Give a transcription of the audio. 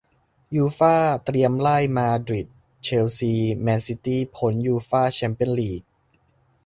ยูฟ่า เตรียมไล่ มาดริด เชลซี แมนซิตี้ พ้น ยูฟ่า แชมเปี้ยนส์ ลีก